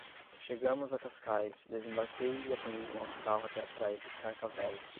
Chegámos a Cascais, desembarquei e apanhei um autocarro até à praia de Carcavelos.